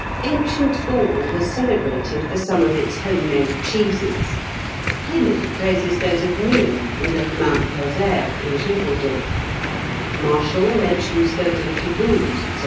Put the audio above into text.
Ancient Gaul was celebrated for some of its home made cheeses. Pliny praises those of Nismes, and of Mount Lozère, in Gévaudau; Martial mentions those of Toulouse, &c.